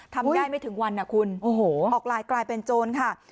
ทำได้ไม่ถึงวันนะคุณโอ้โหออกไลน์กลายเป็นโจรค่ะ